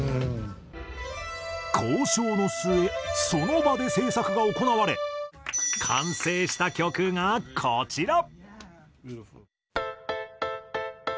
交渉の末その場で制作が行われ完成した曲がこちら。